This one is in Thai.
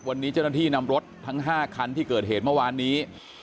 วันนี้เจ้าหน้าที่นำรถทั้ง๕คันที่เกิดเหตุเมื่อวานนี้